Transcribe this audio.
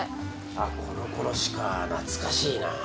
あっこの殺しか懐かしいなぁ。